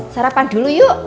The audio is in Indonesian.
sarapan dulu yuk